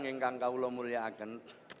saya ingin mengucapkan kepada ulu mulya agen